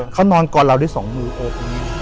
เขานอนกอดเราด้วยสองมือโอบอย่างนี้